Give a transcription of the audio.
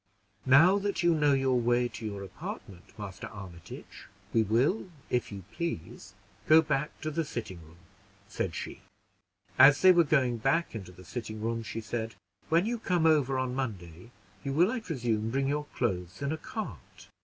"Now that you know your way to your apartment, Master Armitage, we will, if you please, go back to the sitting room," said she. As they were going back into the sitting room, she said "When you come over on Monday, you will, I presume, bring your clothes in a cart?